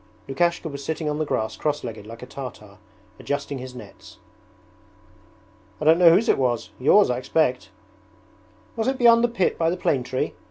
Lukashka was sitting on the grass crosslegged like a Tartar, adjusting his nets. 'I don't know whose it was yours, I expect.' 'Was it beyond the pit by the plane tree?